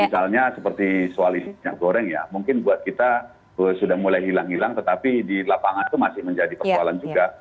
misalnya seperti soal minyak goreng ya mungkin buat kita sudah mulai hilang hilang tetapi di lapangan itu masih menjadi persoalan juga